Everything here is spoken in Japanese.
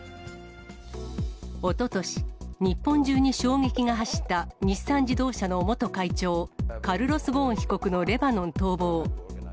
おととし、日本中に衝撃が走った、日産自動車の元会長、カルロス・ゴーン被告のレバノン逃亡。